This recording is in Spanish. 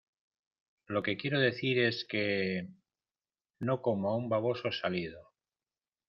lo que quiero decir es que... no como a un baboso salido